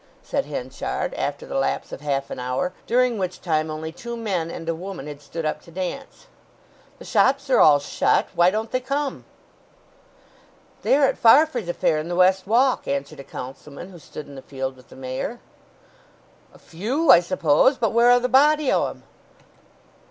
said Henchard, after the lapse of half an hour, during which time only two men and a woman had stood up to dance. "The shops are all shut. Why don't they come?" "They are at Farfrae's affair in the West Walk," answered a Councilman who stood in the field with the Mayor. "A few, I suppose. But where are the body o' 'em?"